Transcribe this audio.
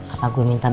apa gue minta bantuan